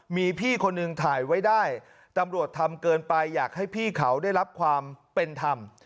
มีพี่คนหนึ่งถ่ายไว้ได้ตำรวจทำเกินไปอยากให้พี่เขาได้รับความเป็นธรรม